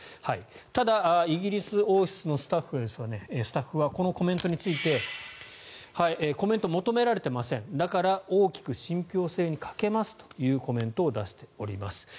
ただ、イギリス王室のスタッフはこのコメントについてコメントは求められていませんだから大きく信ぴょう性に欠けますというコメントを出しております。